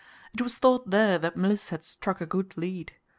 It was thought there that Mliss had "struck a good lead."